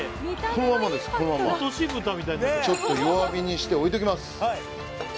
このままちょっと弱火にして置いときます